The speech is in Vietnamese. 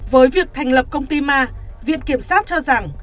với việc thành lập công ty ma viện kiểm sát cho rằng